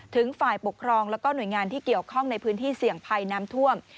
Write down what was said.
ถึงฝ่ายปกครองแล้วก็หน่วยงานที่เกี่ยวข้องในพื้นที่เสี่ยงภัยน้ำท่วม